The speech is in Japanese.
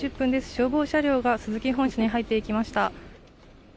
消防車両がスズキ本社に入っていきました。